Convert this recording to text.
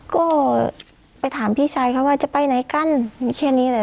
ก็ไปถามพี่ชายเขาว่าจะไปไหนกันแค่นี้แหละ